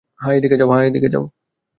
হ্যাঁ, এদিকে দাও।